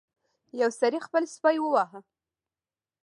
یو سړي خپل سپی وواهه.